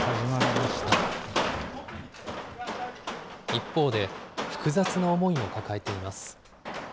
一方で、複雑な思いも抱えています。